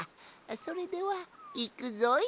それではいくぞい。